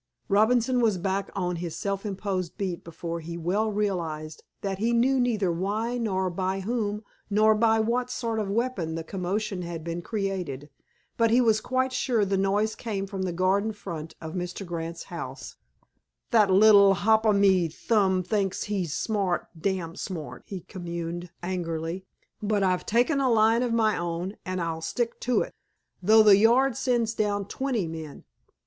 Robinson was back on his self imposed beat before he well realized that he knew neither why nor by whom nor by what sort of weapon the commotion had been created. But he was quite sure the noise came from the garden front of Mr. Grant's house. "That little hop o' me thumb thinks he's smart, dam smart," he communed angrily, "but I've taken a line of me own, an' I'll stick to it, though the Yard sends down twenty men!"